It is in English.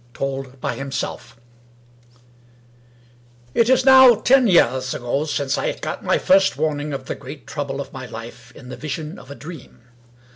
— ^TOLD BY HIMSELF IV It is now ten years ago since I got my first warning of the great trouble of my life in the Vision of a Dream.